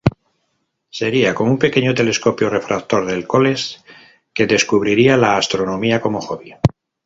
Sería con un pequeño telescopio refractor del "College" que descubría la astronomía como hobby.